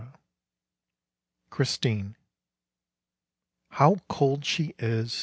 28 CHRISTINE How cold she is !